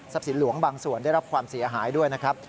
สินหลวงบางส่วนได้รับความเสียหายด้วยนะครับ